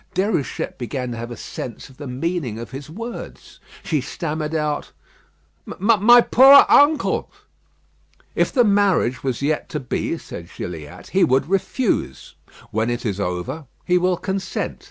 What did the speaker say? Déruchette began to have a sense of the meaning of his words. She stammered out: "My poor uncle!" "If the marriage was yet to be," said Gilliatt, "he would refuse. When it is over he will consent.